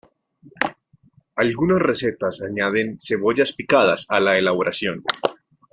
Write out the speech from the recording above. Algunas recetas añaden cebollas picadas a la elaboración.